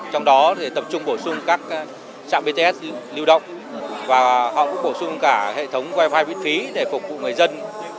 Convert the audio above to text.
trong đó tập trung bổ sung các trạm bts lưu động và họ cũng bổ sung cả hệ thống wifi miễn phí để phục vụ người dân